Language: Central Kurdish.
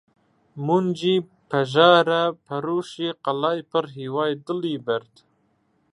مۆنجی پەژارە پەرۆشی قەڵای پڕ هیوای دڵی برد!